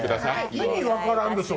意味分からんでしょ